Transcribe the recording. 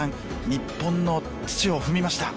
日本の土を踏みました」。